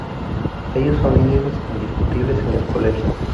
Ellos son líderes indiscutibles en el colegio.